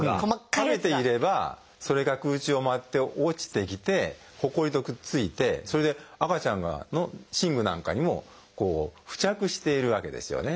食べていればそれが空中を舞って落ちてきてほこりとくっついてそれで赤ちゃんの寝具なんかにも付着しているわけですよね。